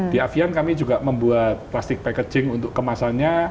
di avian kami juga membuat plastik packaging untuk kemasannya